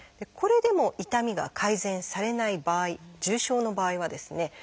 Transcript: これでも痛みが改善されない場合重症の場合はですね